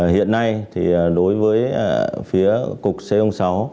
hiện nay đối với phía cục xe hông sáu